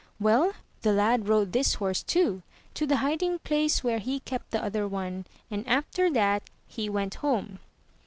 Well, the lad rode this horse, too, to the hiding place where he kept the other one, and after that he went home.